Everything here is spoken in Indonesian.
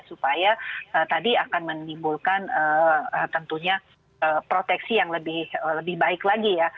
supaya tadi akan menimbulkan tentunya proteksi yang lebih baik lagi ya